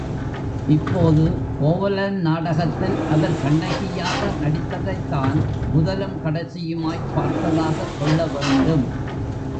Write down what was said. இப்போது கோவலன் நாடகத்தில் அவர் கண்ணகியாக நடித்ததைத்தான் முதலும் கடைசியுமாய்ப் பார்த்ததாகக் கொள்ளவேண்டும்.